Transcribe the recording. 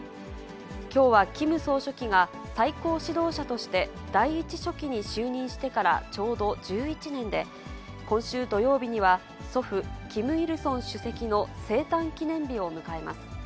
きょうはキム総書記が最高指導者として第１書記に就任してからちょうど１１年で、今週土曜日には、祖父、キム・イルソン主席の生誕記念日を迎えます。